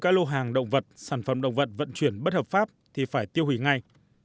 các lô hàng động vật sản phẩm động vật vận chuyển bất hợp pháp thì phải tiêu hủy ngay